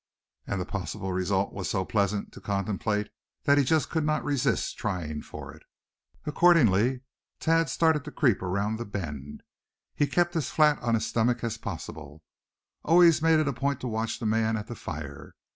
And the possible result was so pleasant to contemplate that he just could not resist trying for it. Accordingly, Thad started to creep around the bend. He kept as flat on his stomach as possible, and always made it a point to watch the man at the fire.